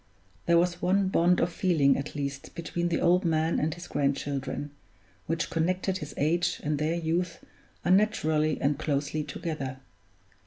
There was one bond of feeling at least between the old man and his grandchildren, which connected his age and their youth unnaturally and closely together.